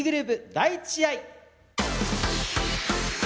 第１試合。